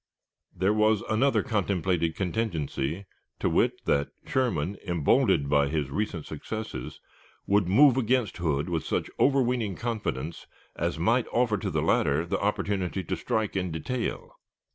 There was another contemplated contingency, viz., that Sherman, emboldened by his recent successes, would move against Hood with such overweening confidence as might offer to the latter the opportunity to strike in detail.